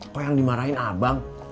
kok yang dimarahin abang